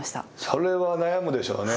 それは悩むでしょうね。